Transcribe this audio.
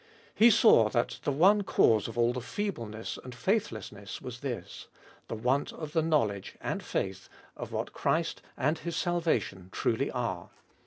He saw that the one cause of all the feebleness and faithlessness was this : the want of the knowledge and the faith of what Christ and His salva Hbe Tboliest of nil 23 tion truly are.